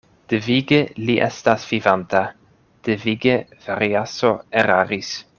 Devige li estas vivanta; devige Variaso eraris.